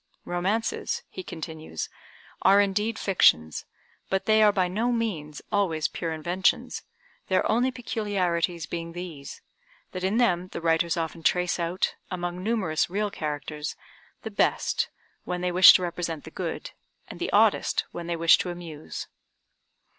Romances," he continues, "are indeed fictions, but they are by no means always pure inventions; their only peculiarities being these, that in them the writers often trace out, among numerous real characters, the best, when they wish to represent the good, and the oddest, when they wish to amuse."